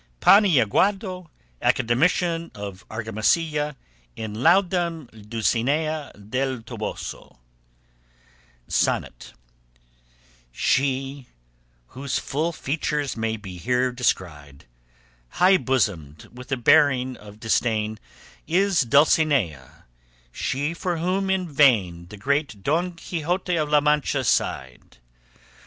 PANIAGUADO, ACADEMICIAN OF ARGAMASILLA, IN LAUDEM DULCINEAE DEL TOBOSO SONNET She, whose full features may be here descried, High bosomed, with a bearing of disdain, Is Dulcinea, she for whom in vain The great Don Quixote of La Mancha sighed.